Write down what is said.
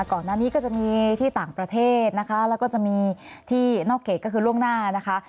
ก่อนหน้านี้ก็จะมีที่ต่างประเทศนะคะแล้วก็จะมีที่นอกเขตก็คือล่วงหน้านะคะ